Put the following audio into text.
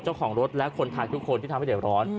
เจ้าของรถและคนไทยทุกคนที่ทำให้เดือดร้อน